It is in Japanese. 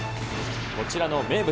こちらの名物！